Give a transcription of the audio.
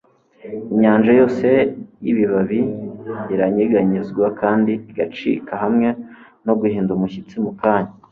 Inyanja yose yibibabi iranyeganyezwa kandi igacika hamwe no guhinda umushyitsi mukanya